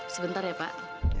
sebentar ya pak